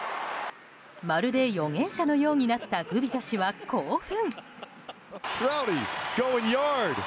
まるで預言者のようになったグビザ氏は興奮。